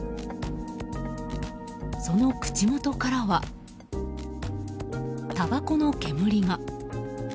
その口元からは、たばこの煙が。